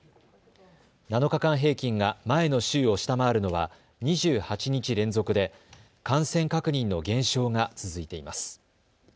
７日間平均が前の週を下回るのは２８日連続で感染確認の減少が続いています。